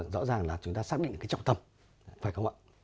rõ ràng là chúng ta xác định trọng tâm phải không ạ